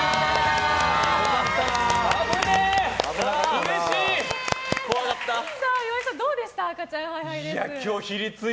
うれしい！